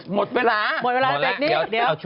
หมดเวลาไตรงับทางเดียว